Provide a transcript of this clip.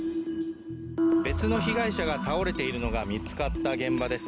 別の被害者が倒れているのが見つかった現場です。